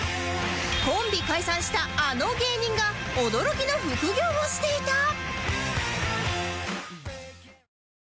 コンビ解散したあの芸人が驚きの副業をしていた！？